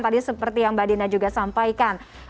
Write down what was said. tadi seperti yang mbak dina juga sampaikan